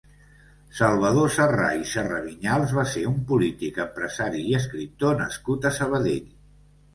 Salvador Sarrà i Serravinyals va ser un polític, empresari i escriptor nascut a Sabadell.